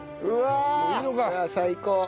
うわっ最高。